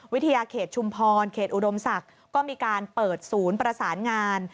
วิทยาเขตชุมพรเขตอุดมศักดิ์ก็มีการเปิดศูนย์ประสานงาน